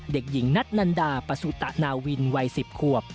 เด็กหญิงนัทนันดาปสุตะนาวินวัย๑๐ขวบ